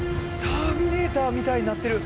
「ターミネーター」みたいになってる。